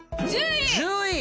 １０位！